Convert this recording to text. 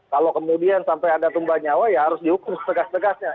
kalau kemudian sampai ada tumbuhan nyawa ya harus diukur segas segasnya